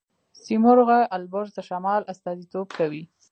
سیمرغ البرز د شمال استازیتوب کوي.